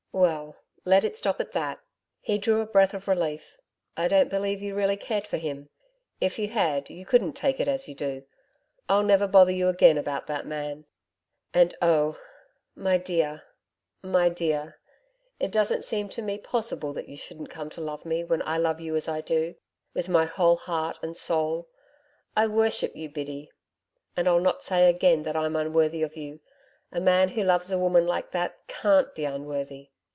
'Well, let it stop at that.' He drew a breath of relief. 'I don't believe you really cared for him. If you had, you couldn't take it as you do. I'll never bother you again about that man. And, oh, my dear my dear it doesn't seem to me possible that you shouldn't come to love me, when I love you as I do with my whole heart and soul I worship you, Biddy. And I'll not say again that I'm unworthy of you a man who loves a woman like that CAN'T be unworthy.'